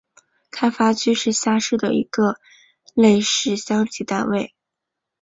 开发区是下辖的一个类似乡级单位。